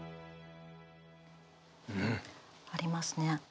うん。ありますね。